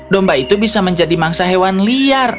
domba itu bisa menjadi mangsa hewan liar